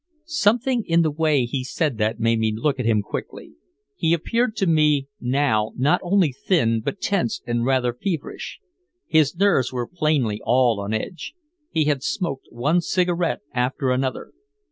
Something in the way he said that made me look at him quickly. He appeared to me now not only thin but tense and rather feverish. His nerves were plainly all on edge. He had smoked one cigarette after another.